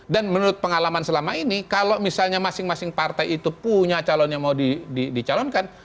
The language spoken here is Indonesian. dan menurut pengalaman selama ini kalau misalnya masing masing partai itu punya calon yang mau dicalonkan